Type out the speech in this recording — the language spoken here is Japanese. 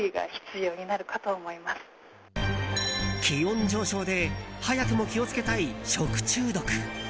気温上昇で早くも気を付けたい食中毒。